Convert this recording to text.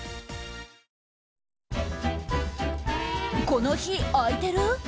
この日空いてる？